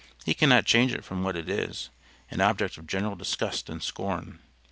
He cannot change it from what it is an object of general disgust and scorn.